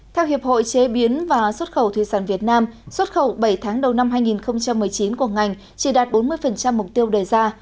theo hiệp hội chế biến và xuất khẩu thủy sản việt nam xuất khẩu bảy tháng đầu năm hai nghìn một mươi chín của ngành chỉ đạt bốn mươi mục tiêu đề ra